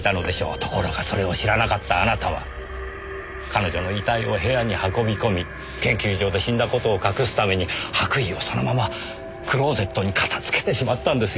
ところがそれを知らなかったあなたは彼女の遺体を部屋に運び込み研究所で死んだ事を隠すために白衣をそのままクローゼットに片付けてしまったんですよ。